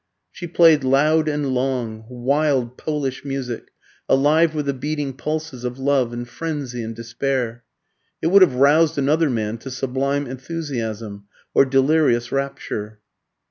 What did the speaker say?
She played loud and long, wild Polish music, alive with the beating pulses of love and frenzy and despair. It would have roused another man to sublime enthusiasm or delirious rapture.